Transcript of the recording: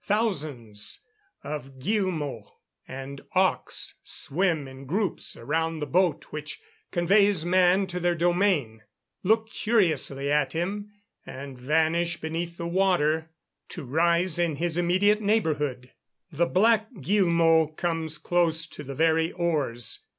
Thousands of guillemots and auks swim in groups around the boat which conveys man to their domain, look curiously at him, and vanish beneath the water to rise in his immediate neighbourhood. The black guillemot comes close to the very oars.